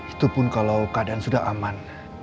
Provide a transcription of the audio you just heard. itu pun kalau keadaan sudah aman